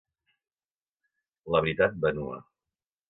La veritat va nua.